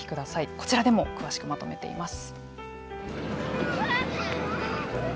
こちらでも詳しくまとめています。